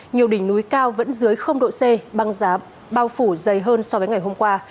nhiều đỉnh núi cao vẫn dưới độ c băng giá bao phủ dày hơn so với ngày hôm qua